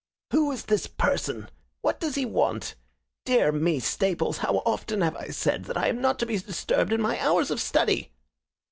"Who is this person? What does he want? Dear me, Staples, how often have I said that I am not to be disturbed in my hours of study?"